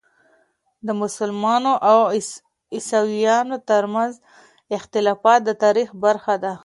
د مسلمانو او عیسویانو ترمنځ اختلافات د تاریخ برخه ده.